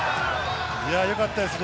よかったですね。